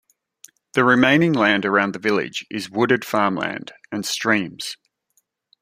The remaining land around the village is wooded farmland and streams.